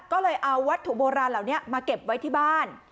ก็เลยเอาวัตถุโบราณเหล่านี้มาเก็บไว้ที่บ้าน